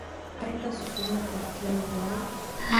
ایا تاسو سونا ته تلل غواړئ؟